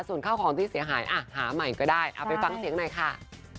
ส่วนข้าวของที่เสียหายหาใหม่ก็ได้เอาไปฟังเสียงหน่อยค่ะ